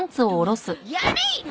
やめいっ！！